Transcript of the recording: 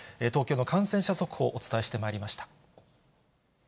東京の感染者速報、お伝えしてまいりました。